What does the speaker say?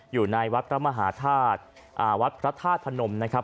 อยู่ในวัดพระมหาธาตุวัดพระธาตุพนมนะครับ